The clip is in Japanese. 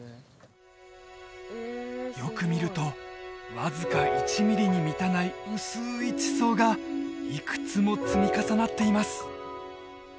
よく見るとわずか１ミリに満たない薄い地層がいくつも積み重なっています